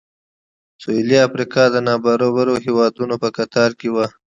سوېلي افریقا د نابرابرو هېوادونو په کتار کې و.